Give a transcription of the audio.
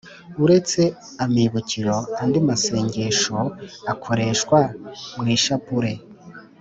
uretse amibukiro andi masengesho akoreshwa mu ishapule